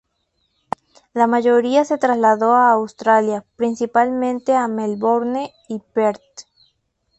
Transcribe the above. La mayoría se trasladó a Australia, principalmente a Melbourne y Perth.